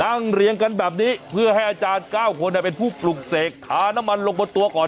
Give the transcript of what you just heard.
เรียงกันแบบนี้เพื่อให้อาจารย์๙คนเป็นผู้ปลุกเสกทาน้ำมันลงบนตัวก่อน